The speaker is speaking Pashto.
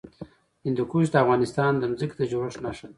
هندوکش د افغانستان د ځمکې د جوړښت نښه ده.